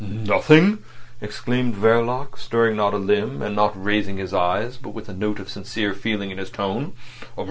"Nothing!" exclaimed Verloc, stirring not a limb, and not raising his eyes, but with the note of sincere feeling in his tone.